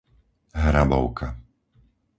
Hrabovka